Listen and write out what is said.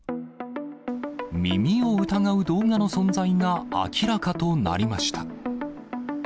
耳を疑う動画の存在が明らかとなりました。